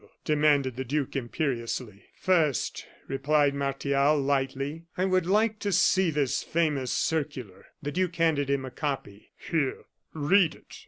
demanded the duke, imperiously. "First," replied Martial, lightly, "I would like to see this famous circular." The duke handed him a copy. "Here read it."